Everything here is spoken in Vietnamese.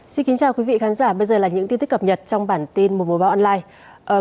xin kính chào quý vị khán giả bây giờ là những tin tức cập nhật trong bản tin một mùa báo online